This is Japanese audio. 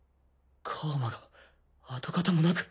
楔が跡形もなく。